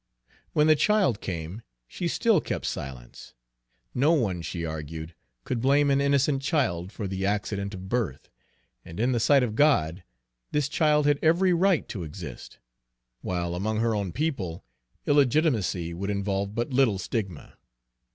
When the child came, she still kept silence. No one, she argued, could blame an innocent child for the accident of birth, and in the sight of God this child had every right to exist; while among her own people illegitimacy would involve but little stigma.